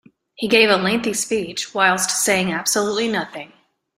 He gave a lengthy speech, whilst saying absolutely nothing.